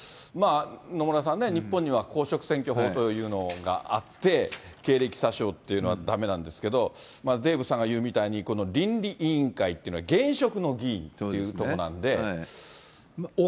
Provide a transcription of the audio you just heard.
野村さんね、日本には公職選挙法というのがあって、経歴詐称というのはだめなんですけど、デーブさんが言うみたいにこの倫理委員会というのは現職の議員というところなんで。